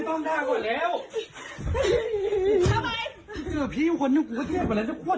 เจำแภวคนเยี่ยมมากเณียดควบควบควบห้ามากเยี่ยด